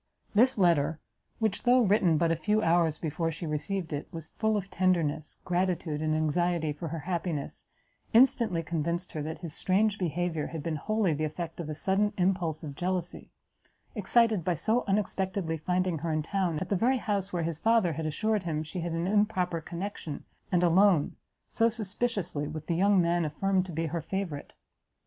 This letter, which, though written but a few hours before she received it, was full of tenderness, gratitude and anxiety for her happiness, instantly convinced her that his strange behaviour had been wholly the effect of a sudden impulse of jealousy; excited by so unexpectedly finding her in town, at the very house where his father had assured him she had an improper connexion, and alone, so suspiciously, with the young man affirmed to be her favourite.